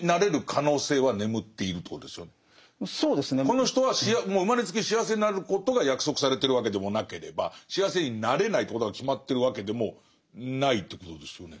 この人は生まれつき幸せになることが約束されてるわけでもなければ幸せになれないということが決まってるわけでもないということですよね。